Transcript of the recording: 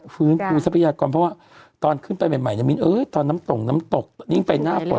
ฟื้นฟื้นทรัพยากรมเพราะว่าตอนขึ้นไปใหม่น้ำตกนิ่งไปหน้าป่น